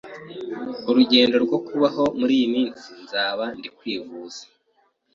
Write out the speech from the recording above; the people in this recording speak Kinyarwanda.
urugendo no kubaho muri iyo minsi nzaba ndi kwivuza